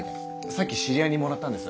さっき知り合いにもらったんです。